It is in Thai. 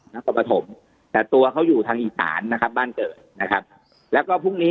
นครปฐมแต่ตัวเขาอยู่ทางอีสานนะครับบ้านเกิดนะครับแล้วก็พรุ่งนี้